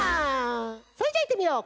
それじゃあいってみよう！